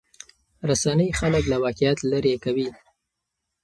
رسنۍ خلک له واقعیت لرې کوي.